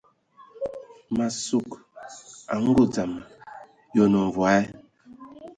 Ma sug a ngɔ dzam, yi onə mvɔí ?